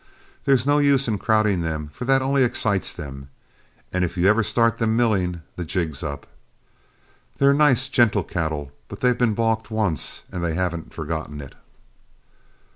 There's no use crowding them, for that only excites them, and if you ever start them milling, the jig's up. They're nice, gentle cattle, but they've been balked once and they haven't forgotten it."